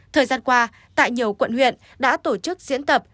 thời gian qua tại nhiều quận huyện đã tổ chức diễn tập